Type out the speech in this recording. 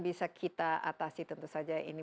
bisa kita atasi tentu saja ini